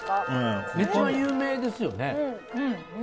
一番有名ですよね